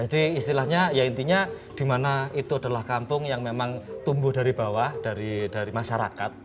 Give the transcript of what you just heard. jadi istilahnya ya intinya dimana itu adalah kampung yang memang tumbuh dari bawah dari masyarakat